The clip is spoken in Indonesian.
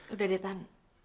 udah deh tan